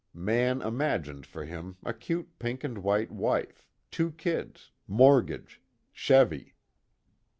Mann imagined for him a cute pink and white wife, two kids, mortgage, Chevvy.